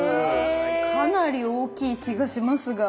かなり大きい気がしますが。